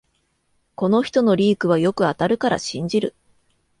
この人のリークはよく当たるから信じる